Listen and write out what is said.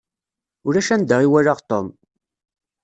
Ulac anda i walaɣ Tom.